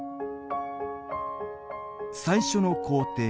最初の工程